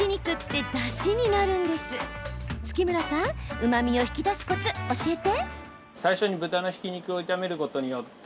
うまみを引き出すコツ、教えて。